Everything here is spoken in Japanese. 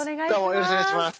よろしくお願いします。